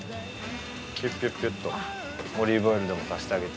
ピュッピュッピュッとオリーブオイルでも足してあげて。